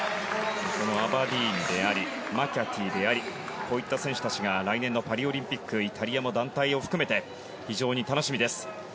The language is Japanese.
アバディーニでありマキャティでありこういった選手たちが来年のパリオリンピックイタリアも団体を含めて非常に楽しみです。